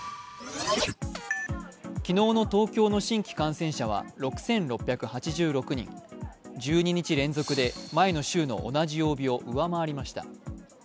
昨日の東京の新規感染者は６８８６人１２日連続で前週の同じ曜日を上回りました。